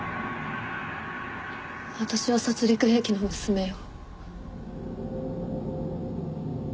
私は殺戮兵器の娘よ。